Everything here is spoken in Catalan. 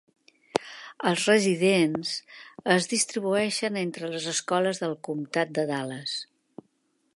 Els residents es distribueixen entre les escoles del comtat de Dallas.